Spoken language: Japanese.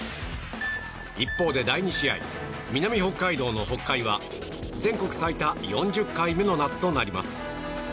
一方で、第２試合南北海道の北海は全国最多４０回目の夏となります。